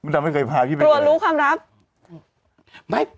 ตัวรู้คำทับ